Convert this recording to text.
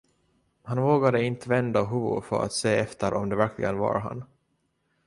Han vågade inte vända huvudet för att se efter om det verkligen var han.